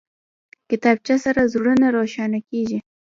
کتابچه سره زړونه روښانه کېږي